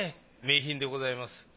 名品でございます